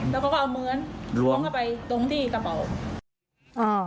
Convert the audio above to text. แล้วก็เอาเงินล้มกันไปตรงที่กระเป๋า